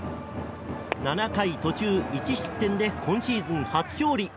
７回途中１失点で今シーズン初勝利。